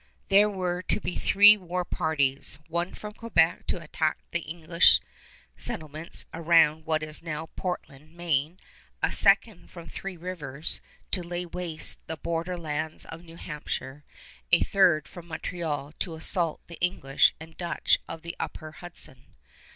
There were to be three war parties: one from Quebec to attack the English settlements around what is now Portland, Maine; a second from Three Rivers to lay waste the border lands of New Hampshire; a third from Montreal to assault the English and Dutch of the Upper Hudson.